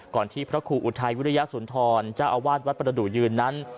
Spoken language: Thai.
ที่พระครูอุทัยวิริยสุนทรเจ้าอาวาสวัดประดูกยืนนั้น